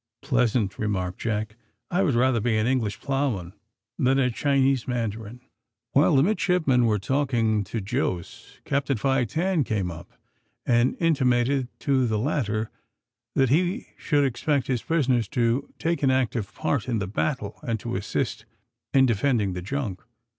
"Pleasant," remarked Jack; "I would rather be an English ploughman than a Chinese mandarin." While the midshipmen were talking to Jos, Captain Fi Tan came up, and intimated to the latter that he should expect his prisoners to take an active part in the battle, and to assist in defending the junk.